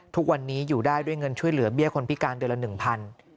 ทุกวันนี้อยู่ได้ด้วยเงินช่วยเหลือเบี้ยคนพิการเดือนละ๑๐๐บาท